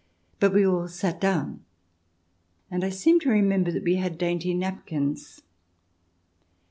But we all sat down, and I seem to remember that we had dainty napkins.